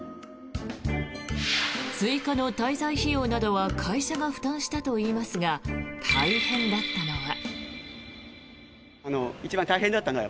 追加の滞在費用などは会社が負担したといいますが大変だったのは。